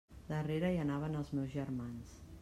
Darrere hi anaven els meus germans.